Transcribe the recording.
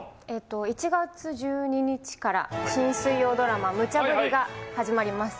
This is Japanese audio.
１月１２日から、新水曜ドラマ、ムチャブリ！が始まります。